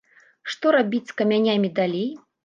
Што рабіць з камянямі далей?